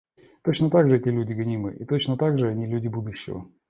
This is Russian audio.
Точно так же эти люди гонимы, и точно так же они люди будущего.